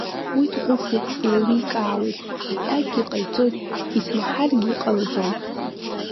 Уи дҟәышуп, еиликаауеит, аҭакгьы ҟаиҵоит, исмаҳаргьы ҟалаӡом…